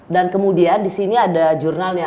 dan kemudian di sini ada jurnalnya